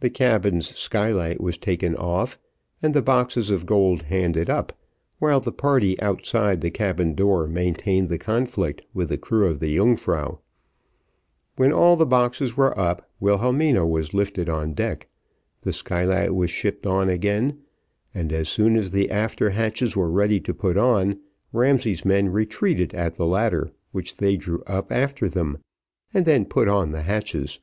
The cabin's skylight was taken off, and the boxes of gold handed up, while the party outside the cabin door maintained the conflict with the crew of the Yungfrau. When all the boxes were up, Wilhelmina was lifted on deck, the skylight was shipped on again, and, as soon as the after hatches were ready to put on, Ramsay's men retreated to the ladder, which they drew up after them, and then put on the hatches.